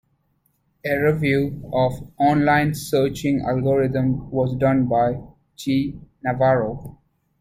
A review of on-line searching algorithms was done by G. Navarro.